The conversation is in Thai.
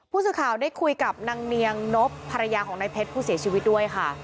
ผู้สื่อข่าวได้คุยกับนางเนียงนบภรรยาของนายเพชรผู้เสียชีวิตด้วยค่ะ